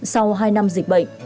sau hai năm dịch bệnh